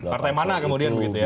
partai mana kemudian begitu ya